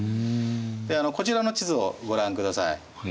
でこちらの地図をご覧ください。